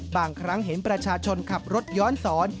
บางครั้งเห็นประชาชนขับรถย้อนสอน